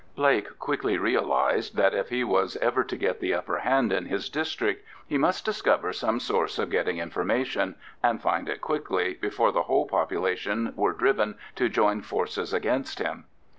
Blake quickly realised that if he was ever to get the upper hand in his district, he must discover some source of getting information, and find it quickly, before the whole population were driven to join forces against him.